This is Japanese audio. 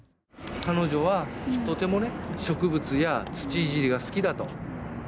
彼女はとてもね、植物や土いじりが好きだと。